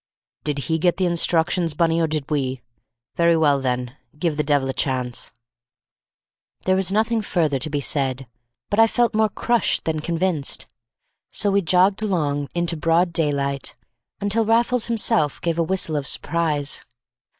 "Did he get the instructions, Bunny, or did we? Very well, then; give the devil a chance." There was nothing further to be said, but I felt more crushed than convinced; so we jogged along into broad daylight, until Raffles himself gave a whistle of surprise.